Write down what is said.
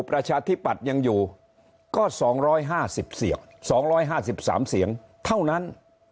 ประชาธิปัตย์ยังอยู่ก็๒๕๐เสียง๒๕๓เสียงเท่านั้น